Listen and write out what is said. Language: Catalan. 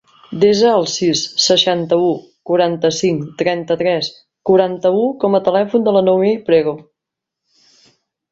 Desa el sis, seixanta-u, quaranta-cinc, trenta-tres, quaranta-u com a telèfon de la Noemí Prego.